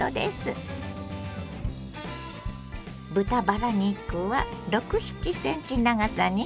豚バラ肉は６７ｃｍ長さに切ります。